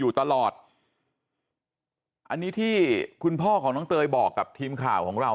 ตลอดอันนี้ที่คุณพ่อของน้องเตยบอกกับทีมข่าวของเรา